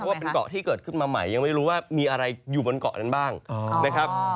ว่าเป็นเกาะที่เกิดขึ้นมาใหม่ยังไม่รู้ว่ามีอะไรอยู่บนเกาะนั้นบ้างนะครับ